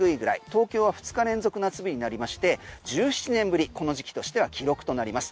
東京は２日連続夏日になりまして１７年ぶり、この時期としては記録となります。